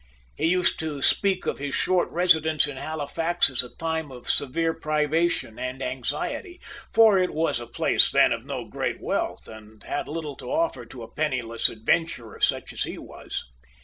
He used to speak of his short residence in Halifax as a time of severe privation and anxiety, for it was a place then of no great wealth, and had little to offer to a penniless adventurer, such as he was.